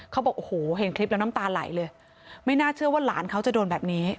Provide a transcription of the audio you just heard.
เขาบอกโอ้โหเห็นคลิปแล้วน้ำตาไหลเลยไม่น่าเชื่อว่าหลานเขาจะโดนแบบนี้